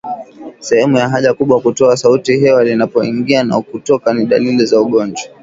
Sehemu ya haja kubwa kutoa sauti hewa inapoingia na kutoka ni dalili za ugonjwa